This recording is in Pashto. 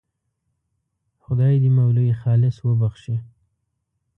خدای دې مولوي خالص وبخښي.